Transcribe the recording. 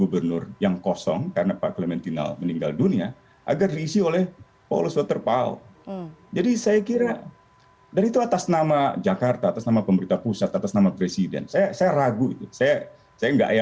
bukan kepentingan orang asli papua